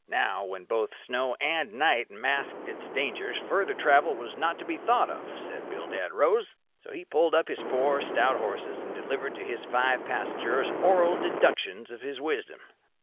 Now, when both snow and night masked its dangers, further travel was not to be thought of, said Bildad Rose. So he pulled up his four stout horses, and delivered to his five passengers oral deductions of his wisdom.